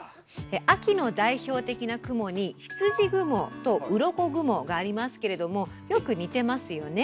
秋の代表的な雲にひつじ雲とうろこ雲がありますけれどもよく似てますよね。